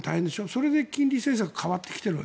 それで金利政策が変わってきている。